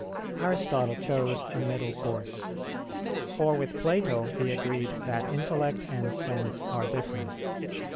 Aristotle chose a middle course. For with Plato he agreed that intellect and sense are different.